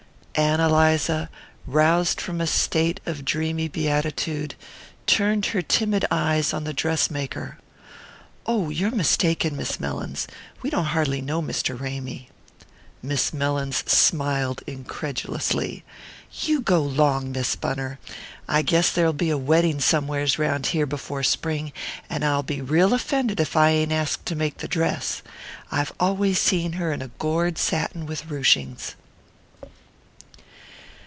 Ann Eliza, roused from a state of dreamy beatitude, turned her timid eyes on the dress maker. "Oh, you're mistaken, Miss Mellins. We don't har'ly know Mr. Ramy." Miss Mellins smiled incredulously. "You go 'long, Miss Bunner. I guess there'll be a wedding somewheres round here before spring, and I'll be real offended if I ain't asked to make the dress. I've always seen her in a gored satin with rooshings."